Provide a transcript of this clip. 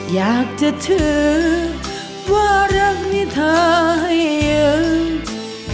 อยากจะถือว่ารักนี่เธอให้ยัง